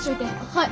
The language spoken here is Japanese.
はい。